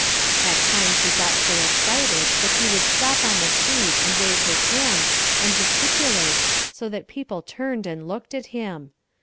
At times he got so excited that he would stop on the street and wave his hands and gesticulate so that people turned and looked at him.